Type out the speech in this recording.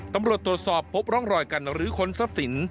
ตำรวจตรวจสอบพบร่องรอยการรื้อค้นทรัพย์สิน